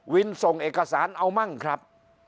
ส่งเอกสารเอามั่งครับ